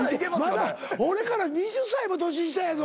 俺から２０歳も年下やぞ。